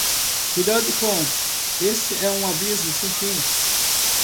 Cuidado com? este é um abismo sem fim!